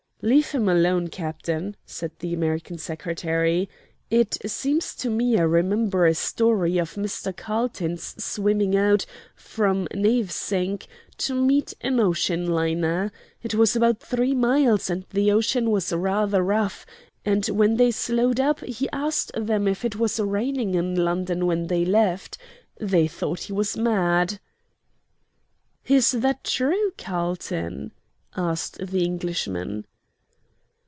"Leave him alone, captain," said the American Secretary. "It seems to me I remember a story of Mr. Carlton's swimming out from Navesink to meet an ocean liner. It was about three miles, and the ocean was rather rough, and when they slowed up he asked them if it was raining in London when they left. They thought he was mad." "Is that true, Carlton?" asked the Englishman.